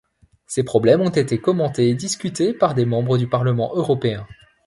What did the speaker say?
Ces problèmes ont été commentés et discutés par des membres du Parlement européen.